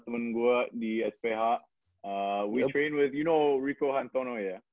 latihan dengan kamu tahu rico hanzono ya